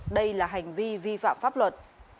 đây là hành vi vi phạm pháp luật